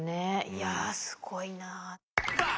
いやすごいな。